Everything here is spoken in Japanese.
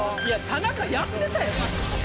田中やってたんやな。